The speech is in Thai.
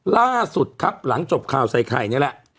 ล่าสุดครับหลังจบข่าวใส่ไข่นี่แหละ